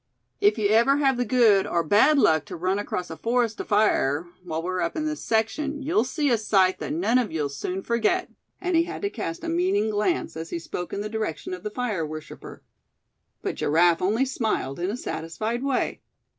"If you ever have the good or bad luck to run across a forest afire, while we're up in this section, you'll see a sight that none of you'll soon forget," and he had to cast a meaning glance as he spoke in the direction of the fire worshipper. But Giraffe only smiled in a satisfied way.